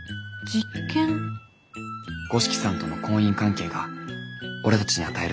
五色さんとの婚姻関係が俺たちに与える影響。